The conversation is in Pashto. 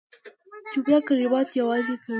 جمله کلمات یوځای کوي.